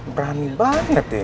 berani banget ya